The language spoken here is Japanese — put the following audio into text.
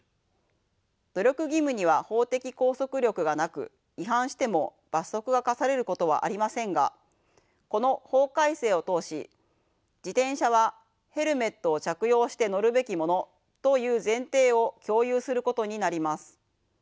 努力義務には法的拘束力がなく違反しても罰則が科されることはありませんがこの法改正を通し自転車はヘルメットを着用して乗るべきものという前提を共有することになります。